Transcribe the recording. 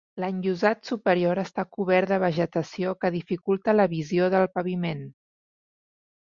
L'enllosat superior està cobert de vegetació que dificulta la visió del paviment.